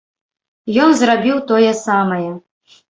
Ён зрабіў тое самае.